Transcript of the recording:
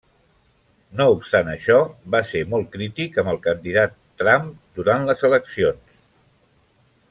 No obstant això, va ser molt crític amb el candidat Trump durant les eleccions.